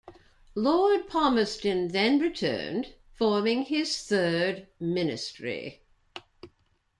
Lord Palmerston then returned, forming his third ministry.